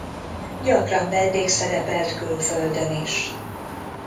Gyakran vendégszerepelt külföldön is.